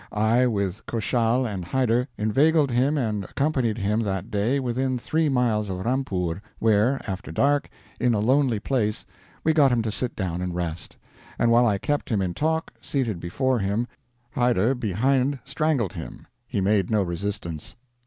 I, with Koshal and Hyder, inveigled him and accompanied him that day within 3 miles of Rampoor, where, after dark, in a lonely place, we got him to sit down and rest; and while I kept him in talk, seated before him, Hyder behind strangled him: he made no resistance.